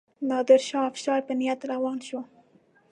نادرشاه افشار په نیت روان شو.